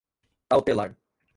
cautelar